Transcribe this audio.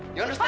hey kamu paham